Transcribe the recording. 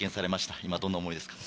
今どんな思いですか？